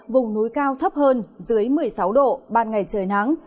vùng núi cao thấp hơn dưới một mươi sáu độ ban ngày trời nắng